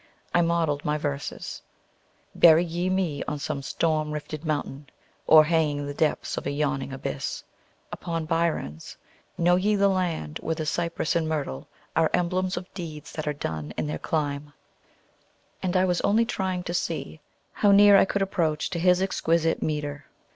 I modeled my verses, "Bury ye me on some storm rifted mountain, O'erhanging the depths of a yawning abyss," upon Byron's, "Know ye the land where the cypress and myrtle Are emblems of deeds that are done in their clime;" and I was only trying to see how near I could approach to his exquisite metre.